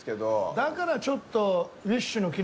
だからちょっと。